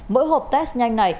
mỗi hộp test nhanh này